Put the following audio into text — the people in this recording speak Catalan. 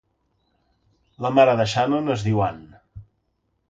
La mare de Shannon es diu Ann.